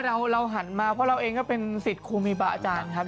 เราหันมาเพราะเราเองก็เป็นสิทธิ์ครูมีบาอาจารย์ครับ